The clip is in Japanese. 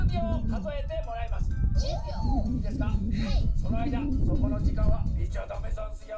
そのあいだそこのじかんはみちゃだめざんすよ！